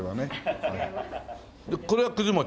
これはくず餅？